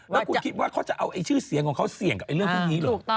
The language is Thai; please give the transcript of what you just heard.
แล้วคุณคิดว่าเขาจะเอาชื่อเสียงของเขาเสี่ยงกับเรื่องพวกนี้เหรอ